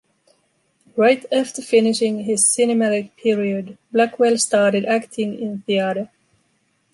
Right after finishing his cinematic period, Blackwell started acting in theater.